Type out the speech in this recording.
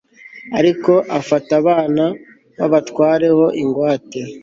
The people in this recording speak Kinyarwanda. ariko afata abana b'abatware ho ingwate